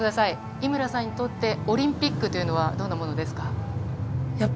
井村さんにとってオリンピックはどういうものですか？